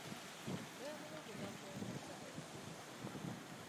Beemulugunya ku nfuga embi.